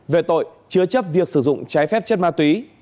về tội chứa chấp việc sử dụng trái phép chất ma túy